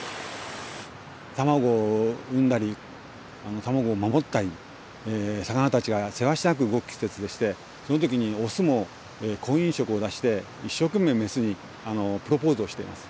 卵を産んだり卵を守ったり魚たちがせわしなく動く季節でしてその時にオスも婚姻色を出して一生懸命メスにプロポーズをしています。